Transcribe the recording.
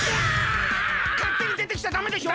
かってにでてきちゃダメでしょ。